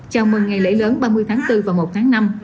chào mừng ngày lễ lớn ba mươi tháng bốn và một tháng năm